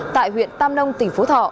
tại huyện tam nông tỉnh phú thọ